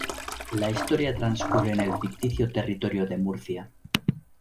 La historia transcurre en el ficticio territorio de Murcia.